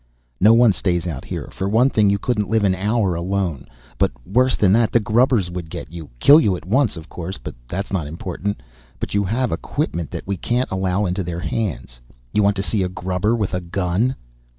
No one stays out here. For one thing you couldn't live an hour alone. But worse than that the grubbers would get you. Kill you at once, of course, but that's not important. But you have equipment that we can't allow into their hands. You want to see a grubber with a gun?"